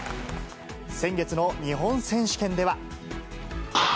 先月の日本選手権では。